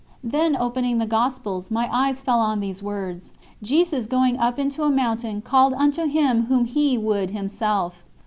Then opening the Gospels, my eyes fell on these words: "Jesus, going up into a mountain, called unto Him whom He would Himself."